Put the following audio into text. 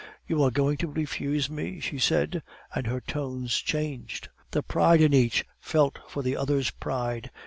"'You are going to refuse me?' she said, and her tones changed. "The pride in each felt for the other's pride.